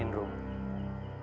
ternyata abang gak mau mencoba